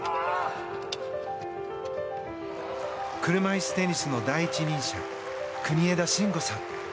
車いすテニスの第一人者国枝慎吾さん。